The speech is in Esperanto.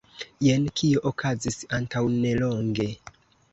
Jen kio okazis antaŭnelonge.